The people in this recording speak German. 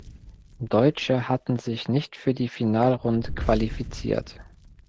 Deutsche hatten sich nicht für die Finalrunde qualifiziert.